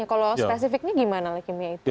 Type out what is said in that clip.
kalau spesifiknya gimana leukemia itu